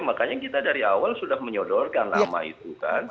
makanya kita dari awal sudah menyodorkan nama itu kan